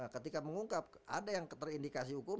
ketika mengungkap ada yang terindikasi hukum